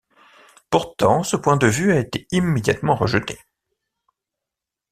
Pourtant, ce point de vue a été immédiatement rejeté.